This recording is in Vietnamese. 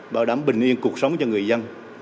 bảo đảm bình yên cuộc sống cho người dân